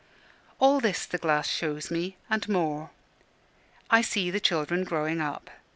All this the glass shows me, and more. I see the children growing up.